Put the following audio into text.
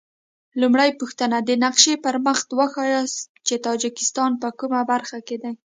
لومړۍ پوښتنه: د نقشې پر مخ وښایاست چې تاجکستان په کومه برخه کې دی؟